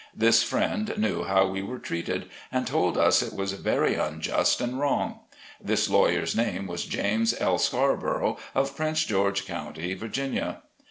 This friend knew how we were treated, and told us it was very unjust and wrong. This lawyer's name was James L. Scarborough, of Prince George County, Va.